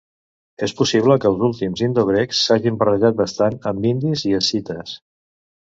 És possible que els últims indogrecs s'hagin barrejat bastant amb indis i escites.